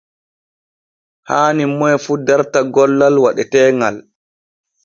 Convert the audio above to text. Haani moy fu darta gollal waɗeteeŋal.